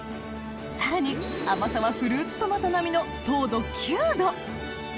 さらに甘さはフルーツトマト並みの糖度９度！